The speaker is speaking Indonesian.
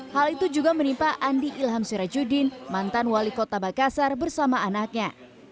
hal itu juga menimpa andi ilham sirajudin mantan wali kota makassar bersama anaknya